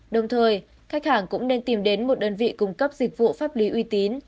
đồng thời khách hàng cũng nên tìm đến một đơn vị cung cấp dịch vụ pháp lý uy tín